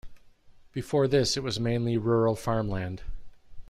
Before this it was mainly rural farmland.